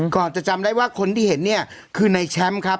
ก่อนจะจำได้ว่าคนที่เห็นเนี่ยคือในแชมป์ครับ